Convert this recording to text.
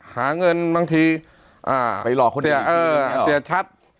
หาเงินบางทีเสียชัด